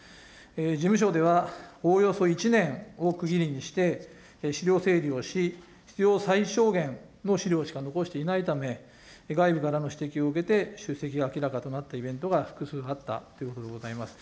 事務所では、おおよそ１年を区切りにして資料整理をし、必要最小限の資料しか残していないため、外部からの指摘を受けて、出席が明らかとなったイベントが複数あったということでございます。